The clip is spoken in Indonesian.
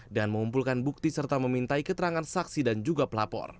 mengumpulkan bukti serta memintai keterangan saksi dan juga pelapor